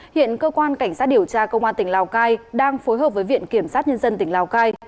hiện cơ quan cảnh sát điều tra công an tỉnh lào cai đang phối hợp với viện kiểm sát nhân dân tỉnh lào cai